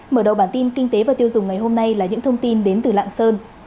mở đầu bản tin kinh tế và tiêu dùng ngày hôm nay là những thông tin đến từ lạng sơn